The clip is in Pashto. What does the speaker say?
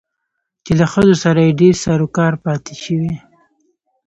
چې له ښځو سره يې ډېر سرو کارو پاتې شوى